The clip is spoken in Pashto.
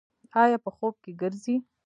ایا په خوب کې ګرځئ؟